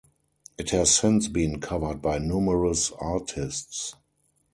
It has since been covered by numerous artists.